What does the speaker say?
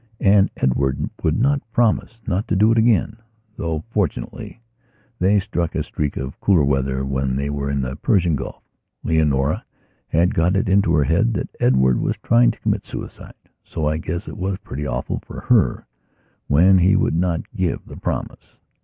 And Edward would not promise not to do it again, though, fortunately, they struck a streak of cooler weather when they were in the Persian Gulf. Leonora had got it into her head that Edward was trying to commit suicide, so I guess it was pretty awful for her when he would not give the promise.